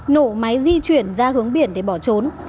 nổ máy di chuyển ra hướng biển để bỏ trốn